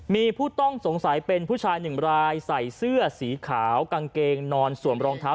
มีผู้ต้องสงสัยเป็นผู้ชายหนึ่งรายใส่เสื้อสีขาวกางเกงนอนสวมรองเท้า